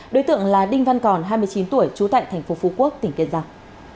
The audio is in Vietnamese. đối tượng là đinh văn còn hai mươi chín tuổi trú tại thành phố phú quốc tỉnh kiên giang